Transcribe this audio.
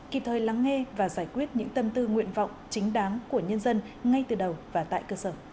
kịp thời lắng nghe và giải quyết những tâm tư nguyện vọng chính đáng của nhân dân ngay từ đầu và tại cơ sở